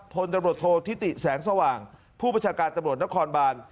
พลตำรวจโทษธิติแสงสว่างผู้ประชาการตำรวจนครบาน